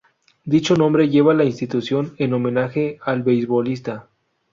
Dicho nombre lleva la institución en homenaje al beisbolista.